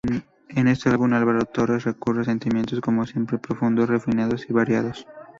En este álbum Álvaro Torres recorre sentimientos como siempre profundos, refinados y variados.